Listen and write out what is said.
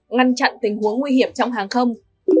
ngăn chặn tình huống nguy hiểm trong hàng không